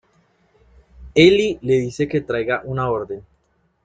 Eli le dice que traiga una orden.